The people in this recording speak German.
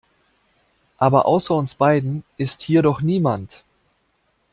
Aber außer uns beiden ist hier doch niemand.